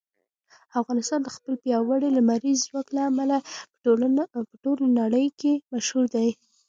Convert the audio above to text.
افغانستان د خپل پیاوړي لمریز ځواک له امله په ټوله نړۍ کې مشهور دی.